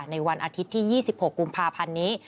ในวันอาทิตย์ที่๒๖กุมภาพันธ์นี้